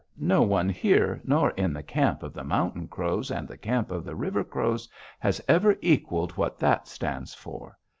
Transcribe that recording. No one here, nor in the camp of the Mountain Crows and the camp of the River Crows, has ever equaled what that stands for.